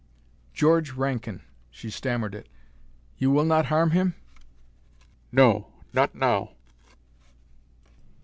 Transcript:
"George Rankin." She stammered it. "You will not harm him?" "No. Not now."